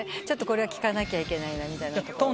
ちょっとこれは聞かなきゃいけないなみたいな。